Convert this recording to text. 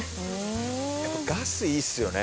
やっぱガスいいっすよね。